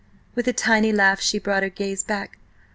With a tiny laugh she brought her gaze back.